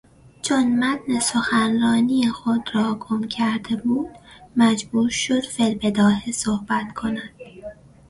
چون متن سخنرانی خود را گم کرده بود مجبور شد فیالبداهه صحبت کند.